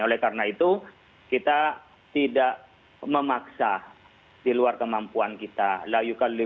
oleh karena itu kita tidak memaksa di luar kemampuan kita